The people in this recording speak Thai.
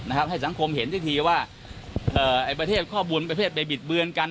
นะครับให้สังคมเห็นที่ทีว่าเอ่อไอ้ประเทศข้อบุญประเภทไปบิดเบือนกัน